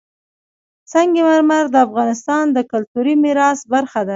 سنگ مرمر د افغانستان د کلتوري میراث برخه ده.